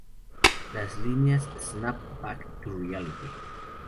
Las líneas "Snap back to reality.